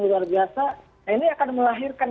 luar biasa ini akan melahirkan